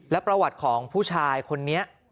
และประวัติของผู้ชายคนนี้